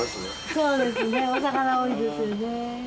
そうですねお魚多いですよね。